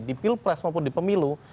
di pilpres maupun di pemilu